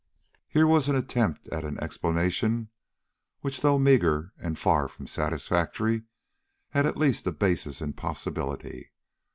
Here was an attempt at an explanation which, though meagre and far from satisfactory, had at least a basis in possibility.